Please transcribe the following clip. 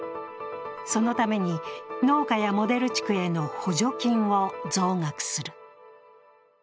そのために農家やモデル地区への補助金を増額する。